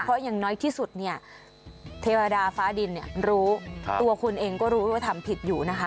เพราะอย่างน้อยที่สุดเนี่ยเทวดาฟ้าดินเนี่ยรู้ตัวคุณเองก็รู้ว่าทำผิดอยู่นะคะ